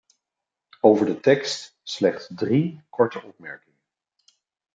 Over de tekst slechts drie korte opmerkingen.